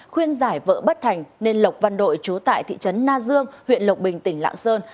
khuyên giải vợ bất thành nên lộc văn đội chú tại thị trấn na dương huyện lộc bình tỉnh lạng sơn